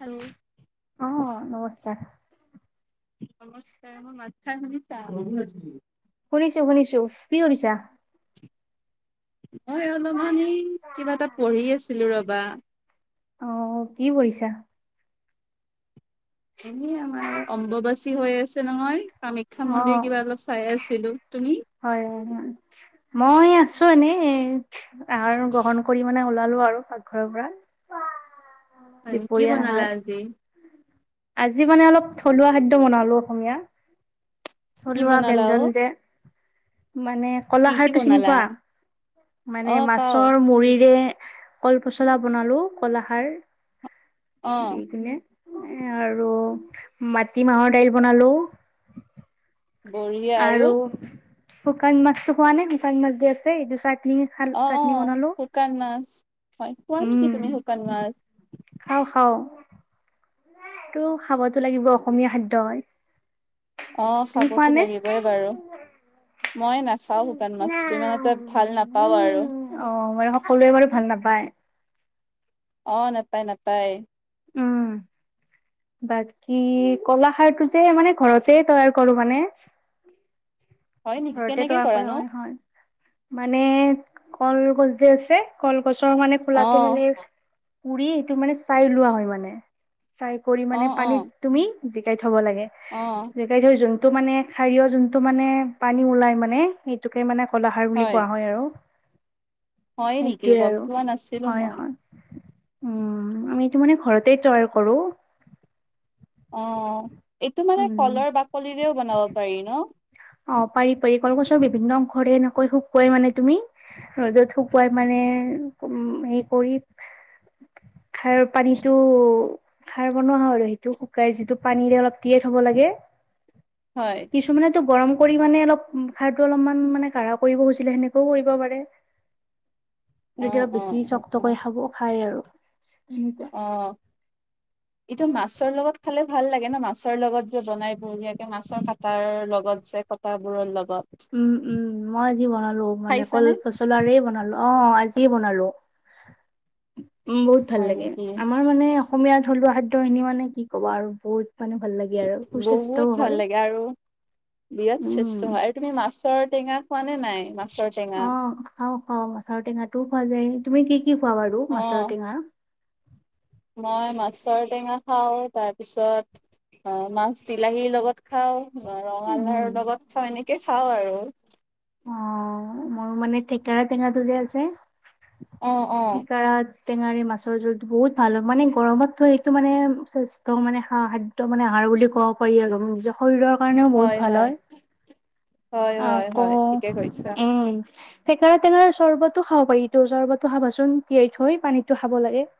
Hello অ নমস্কাৰ নমস্কাৰ মোৰ মাত খাৰ শুনিছা শুনিছো শুনিছো কি শুনিছা মই অলপমানি কিবা এটা পঢ়ি আছিলো ৰবা অ কি কৰিছা এনেই আমাৰ অম্ববাচী হৈ আছে নহয় কামাখ্যা অ মন্দিৰ কিবা অলপ চাই আছিলো তুমি হয় মই আছো এনেই আৰু গ্ৰহণ কৰি মানে ওলালো আৰু পাকঘৰৰ পৰা হয় কি দুপৰীয়াৰ বনালা আহাৰ আজি আজি মানে অলপ থলুৱা খাদ্য বনালো অসমীয়া কি থলুৱা বনালা ব্যঞ্জন অ? যে মানে কলা কি কি খাৰটো চিনি বনালা? পোৱা মানে অ পাও মাছৰ মুৰিৰে কল পচলা বনালো কল খাৰ অ দি কিনে আৰু মাটি মাহৰ দাইল বনালো আৰু শুকান মাছতো খোৱা নে শুকান মাছ যে আছে এইটো চাটনি খাল অ অ চাটনি বনালো শুকান মাছ হয় খোৱা নেকি উম তুমি শুকান মাছ খাওঁ খাওঁ টো খাবতো লাগিব অসমীয়া খাদ্য হয় অ তুমি খোৱা খাবতো নে লাগিব হয় বাৰু মই নাখাওঁ শুকান মাছটো ইমান এটা ভাল নাপাওঁ আৰু অ বাৰু সকলোৱে বাৰু ভাল নাপায় অ নাপায় নাপায় উম বাকী কলাখাৰটো যে মানে ঘৰতে তৈয়াৰ কৰো মানে হয় নেকি ঘৰতে কেনেকে তৈয়াৰ কৰা কৰানো? হয় হয় মানে কলগছ যে আছে কলগছৰ মানে খোলাতো অ', মানে পুৰি সিটো মানে চাই লোৱা হয় মানে চাই কৰি মানে পানীত তুমি জিকাই থব লাগে অঁ জেকাই যোনটো মানে খাৰিয়ৰ যোনটো মানে পানী ওলাই মানে টোকে মানে কলা খাৰ বুলি কোৱা হয় আৰু হয় নেকি সেইটোৱে গম আৰু পোৱা নাছিলো হয় মই। হয় উম আমি এইটো মানে ঘৰতে তৈয়াৰ কৰো অ এইটো মানে উম কলৰ বাকলিৰেও বনাব পাৰি ন অ পাৰি পাৰি কলগছৰ বিভিন্ন অংশৰে এনেকৈ শুকুৱাই মানে তুমি ৰ'দত শুকুৱাই মানে উম হেৰি কৰি খাৰ পানীটো, খাৰ বনোৱা হয় আৰু। সেইটো শুকাই যিটো, পানীৰে অলপ তিয়াই থ'ব লাগে। হয়! কিছুমানেতো গৰম কৰি মানে, অলপ খাৰটো অলপমান মানে, কাঢ়া কৰিব কৈছিলে, সেনেকেও কৰিব পাৰে। অ', তেতিয়া, অ', বেছি অ', [unintelligible] অ', কৰি খাব, খায় আৰু। অ'! এইটো মাছৰ লগত খালে ভাল লাগে ন'! মাছ মাছৰ লগত যে, বনাই বঢিয়াকে! মাছৰ কাটাৰ লগত যে, কটাবোৰৰ লগ উম, উম, মই আজি বনালোঁ। মানে, খাইছানে? কল-পচ লাৰে বনালোঁ। অ'! আজিয়ে বনালোঁ। উম, বহুত ভাল হয় লাগে নেকি? আমাৰ! তাৰমানে, অসমীয়া থলুৱা খাদ্য খিনি মানে, কি ক'বা আৰু বহুত মানে, ভাল লাগে! আৰু সুস্বাস্থ্যও বহুত হয় ভাল লাগে! আৰু বিৰাট উম শ্ৰেষ্ঠ হয়। আৰু তুমি মাছৰ টেঙা খোৱা নে নাই, মাছৰ টেঙা? খাওঁ-খাওঁ, মাছৰ টেঙাটোও খোৱা যায়। তুমি কি কি খোৱা বাৰু মাছৰ অ', টেঙা? মই মাছৰ টেঙা খাওঁ। তাৰপিছত, অ' মাছ বিলাহীৰ লগত খাওঁ, উম ৰঙালাও লগত খাওঁ, এনেকে খাওঁ আৰু। অ'! মোৰ মানে, থেকেৰা টেঙাটো যে আছে, অ', অ'। থেকেৰা টেঙাৰে মাছৰ জোলটো বহুত ভাল হয়! মানে, গৰমত এইটো মানে, স্বাস্থ্য মানে, [unintelligible] ত' মানে, আহাৰ বুলি ক'ব পাৰি আৰু। নিজৰ শৰীৰৰ কাৰণেও বহুত ভাল হয়! হয় হয় আকৌ, হয় ঠিকে কৈছা উম! থেকেৰা টেঙাৰ চৰ্বতো খাব পাৰি, এইটো চৰ্বতো খাবাচোন? তিয়াই থৈ পানীটো খাব লাগে। [inaudible]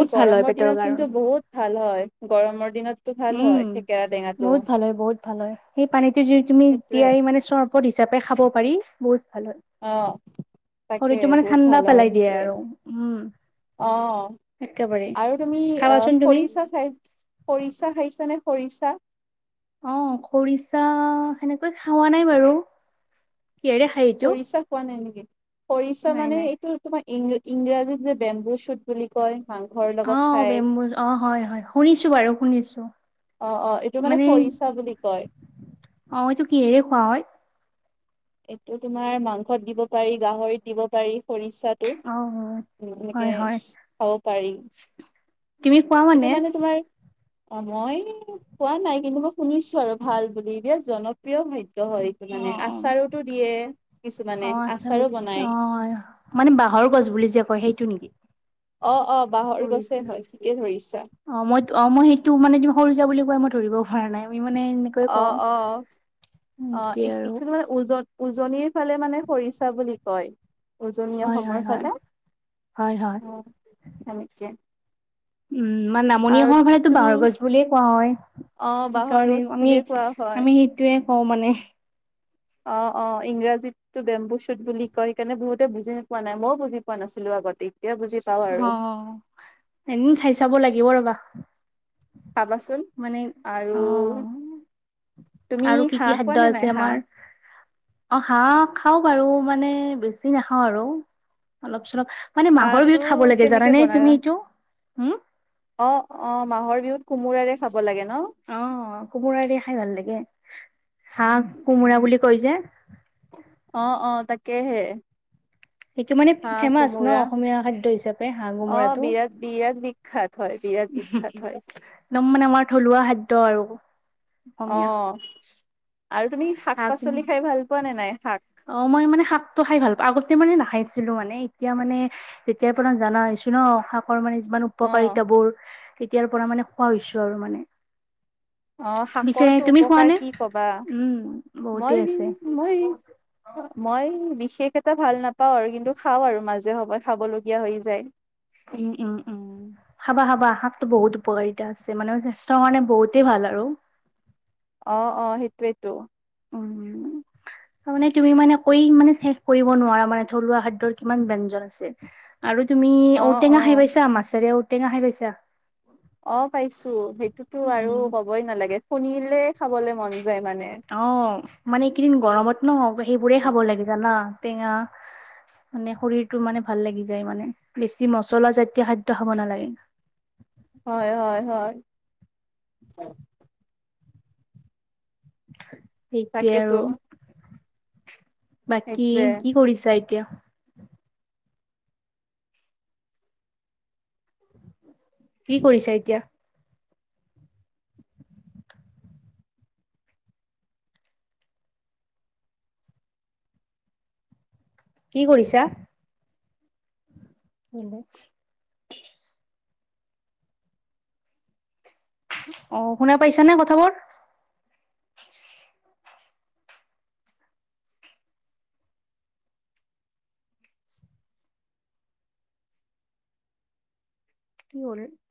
এই ভাল হয় গৰমৰ পেটৰ দিনত কিন্তু, কাৰণে বহুত ভাল হয়! গৰমৰ দিনত ভাল উম হয়, থেকেৰা টেঙাটো। বহুত ভাল হয় বহুত ভাল হয়, সেই পানীটো যদি তুমি, সেইটোয়ে তিয়াই মানে, চৰ্বত হিচাপে খাব পাৰি, বহুত ভাল হয়! অ'! তাকে শৰীৰটো মানে, বহুত ঠাণ্ডা ভাল হয় পেলাই দিয়ে সেইটোয়ে আৰু! উম। অ'! একেবাৰে আৰু তুমি খাবাচোন তুমি খৰিচা চাই খৰিচা খাইছানে, খৰিচা? অ'! খৰিচা, সেনেকৈ খোৱা নাই বাৰু। কিহেৰে খাই এইটো খৰিচা খোৱা নাই নেকি? খৰিচা নাই মানে, নাই এইটো তোমাৰ, ইং-ইংৰাজীত যে, তোমাৰ বেম্বু শ্বুট কি বুলি কয়, মাংস। অ'! বেম্বু, অ' হয়, হয়! শুনিছোঁ বাৰু শুনিছোঁ। অ' অ'! এইটো মানে, খৰিচা বুলি কয়। অ'! এইটো কিহেৰে খোৱা হয়? এইটো তোমাৰ, মাংসত দিব পাৰি, গাহৰিত দিব পাৰি, খৰিচা টো। অ', উম, এনেকে হয়, হয়, খাব পাৰি। তুমি কোৱা এইটো মানে, তোমাৰ অ'! মই খোৱা নাই। কিন্তু, মই শুনিছোঁ আৰু ভাল বুলি! বিৰাট জনপ্ৰিয় খা খাদ্য হয় এইটো মানে। অ', অ', আচাৰতো দিয়ে কিছুমানে, অ', আচাৰ আচাৰো বনাই। অ', মানে, বাঁহৰ গছ বুলি যে কয়, সেইটো নেকি? অ' অ'! বাঁহৰ পৰিছে। গছে হয়, ঠিকে ধৰিছা। অ'! মই, অ'! মই সেইটো মানে, তুমি খৰিচা বুলি কোৱা, মই ধৰিব পৰা নাই। আমি মানে, কওঁ। অ' অ'! অ'! সেইটোৱে আৰু [unintelligible] উজন, উজনিৰ ফালে মানে, খৰিচা বুলি কয়। উজনি হয়, হয়, অসমৰ হয়, ফালে। হয়, হয়। উম, সেনেকে। উম আমাৰ নামনি আৰু অসমৰ ফালেটো বাঁহৰ তুমি গছ বুলিয়ে কয় অ বাঁহৰ সেইকাৰণে গছ আমি বুলিয়ে কোৱা হয় আমি সেইটোয়ে কওঁ মানে অ অ ইংৰাজীতটো বেম্বু শ্বুট বুলি কয় সেইকাৰণে বহুতে বুজি নো পোৱা নাই মইও বুজি পোৱা নাছিলো আগতে। এতিয়া বুজি পাওঁ অ আৰু এদিন খাই চাব লাগিব ৰ'বা। খাবাচোন মানে আৰু অ অ তুমি আৰু কি হাঁহ কি খাদ্য খোৱা নে আছে নাই আমাৰ হাঁহ অ হাঁহ খাওঁ বাৰু মানে বেছি নাখাওঁ আৰু অলপ চলপ মানে মাঘৰ হাঁহটো বিহুত খাব লাগে কেনেকে জানানে বনালা তুমি এইটো উম অ অ মাঘৰ বিহুত কোমোৰাৰে খাব লাগে ন অ কোমোৰা দি খাই ভাল লাগে হাঁহ কোমোৰা বুলি কয় যে অ অ তাকেহে। এইটো মানে হাঁহ ফেমাচ ন কোমোৰা অসমীয়া খাদ্য হিচাপে হাঁহ অ কোমোৰাটো বিৰাট বিৰাট বিখ্যাত হয় বিৰাট বিখ্যাত হয়। একদম মানে আমাৰ থলুৱা খাদ্য আৰু অ অসমীয়া আৰু তুমি শাক পাচলি খাই ভাল পোৱা নে নাই শাক অ মই মানে শাকটো খাই ভাল পাওঁ আগতে মানে নাখাইছিলোঁ মানে এতিয়া মানে তেতিয়াৰ পৰা জানা হৈছো ন শাকৰ মানে যিমান অ উপকাৰিতাবোৰ তেতিয়াৰ পৰা মানে খোৱা হৈছো আৰু মানে অ পিছে শাকৰটো তুমি খোৱা উপকাৰ নে কি ক'বা উম বহুতেই মই আছে মই মই বিশেষ এটা ভাল নাপাওঁ আৰু কিন্তু খাওঁ আৰু মাজে সময়ে খাব লগীয়া হৈ যায়। উম উম উম খাবা খাবা শাকতো বহুত উপকাৰিতা আছে মানে স্বাস্থ্য কাৰণে বহুতেই ভাল আৰু অ অ সেইটোৱেতো উম তাৰ মানে তুমি মানে কৈ মানে শেষ কৰিব নোৱাৰা মানে থলুৱা খাদ্যৰ কিমান ব্যঞ্জন আছে। আৰু তুমি অ', ঔটেঙা খাই অ', পাইছা মাছেৰে ঔটেঙা খাই পাইছা। অ পাইছোঁ সেইটোতো উম, আৰু ক'বই নালাগে শুনিলেই খাবলৈ মন যায় মানে অ মানে এইকেইদিন গৰমত ন সেইবোৰেই খাব লাগে জানা টেঙা। মানে শৰীৰটো মানে ভাল লাগি যায় মানে বেছি মচলা জাতীয় খাদ্য খাব নালাগে হয় হয় হয় সেইটোৱে তাকেতো আৰু বাকী সেইটোৱে। কি কৰিছা এতিয়া কি কৰিছা এতিয়া কি কৰিছা [unintelligible] অ শুনা পাইছা নে কথাবোৰ। [unintelligible]